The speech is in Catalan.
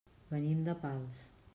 Venim de Pals.